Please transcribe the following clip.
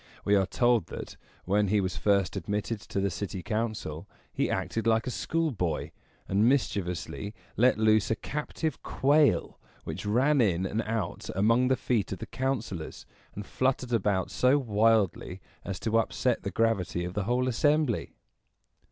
We are told, that, when he was first admitted to the city council, he acted like a schoolboy, and mischievously let loose a captive quail, which ran in and out among the feet of the councilors, and fluttered about so wildly as to upset the gravity of the whole assembly.